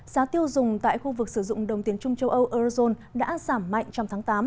giá tiêu dùng tại khu vực sử dụng đồng tiền trung châu âu đã giảm mạnh trong tháng tám